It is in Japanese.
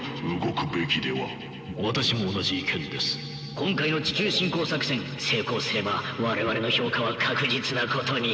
今回の地球侵攻作戦成功すれば我々の評価は確実なことに。